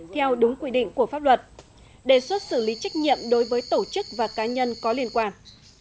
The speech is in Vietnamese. theo đúng quy định của pháp luật đề xuất xử lý trách nhiệm đối với tổ chức và cá nhân có liên quan